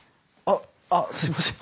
あっすいません。